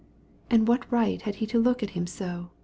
"And what right had he to look at him like that?"